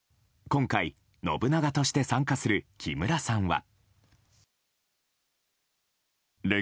今回、信長として参加する木村さんは。